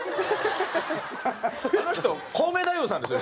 あの人コウメ太夫さんですよ